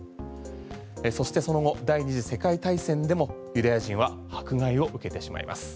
そして、その後第二次世界大戦でもユダヤ人は迫害を受けてしまいます。